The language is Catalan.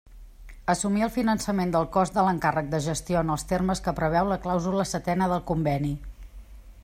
Assumir el finançament del cost de l'encàrrec de gestió en els termes que preveu la clàusula setena del Conveni.